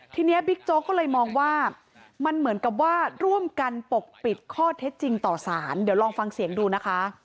ทีนี้บิ๊กโจ๊กก็เลยมองว่ามันเหมือนกับว่าร่วมกันปกปิดข้อเท็จจริงต่อสารเดี๋ยวลองฟังเสียงดูนะคะ